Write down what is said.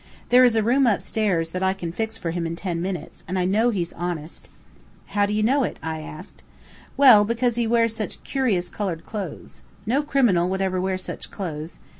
There is a room upstairs that I can fix for him in ten minutes, and I know he's honest." "How do you know it?" I asked. "Well, because he wears such curious colored clothes. No criminal would ever wear such clothes.